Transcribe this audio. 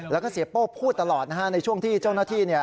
แล้วก็เสียโป้พูดตลอดในช่วงที่เจ้าหน้าที่